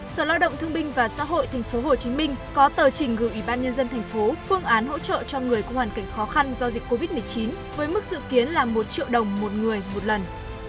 sở lao động thương binh và xã hội tp hcm có tờ trình gửi ủy ban nhân dân thành phố phương án hỗ trợ cho người có hoàn cảnh khó khăn do dịch covid một mươi chín với mức dự kiến là một triệu đồng một người một lần